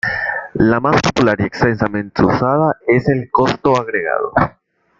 La más popular y extensamente usada es el costo agregado.